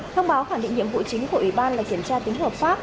thông báo khẳng định nhiệm vụ chính của ủy ban là kiểm tra tính hợp pháp